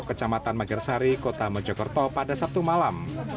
kecamatan magersari kota mojokerto pada sabtu malam